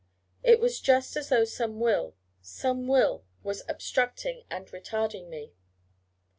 It was just as though some Will, some Will, was obstructing and retarding me.